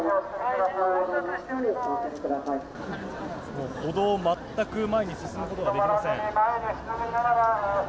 もう歩道、全く前に進むことができません。